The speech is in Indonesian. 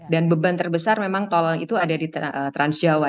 dan beban terbesar memang tol itu ada di trans jawa